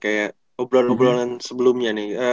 kayak obrolan obrolan sebelumnya nih